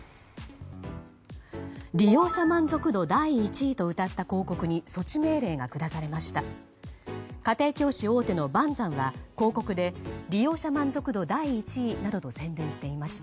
利用者満足度第１位とうたった広告に措置命令が下されました。